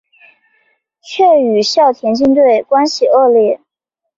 却与校田径队关系恶劣。